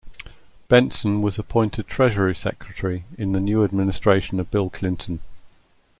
Bentsen was appointed Treasury Secretary in the new administration of Bill Clinton.